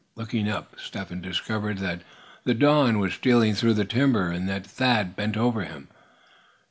Looking up, Step Hen discovered that the dawn was stealing through the timber, and that Thad bent over him.